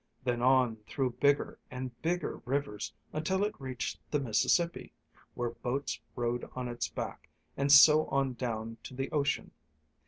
Then on through bigger and bigger rivers until it reached the Mississippi, where boats rode on its back; and so on down to the ocean.